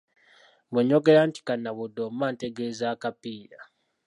Bwe njogera nti Kannabuddo mba ntegeeze akapiira.